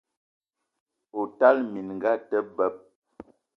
O tala minga a te beb!